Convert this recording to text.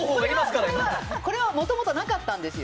これはもともとなかったんですよ。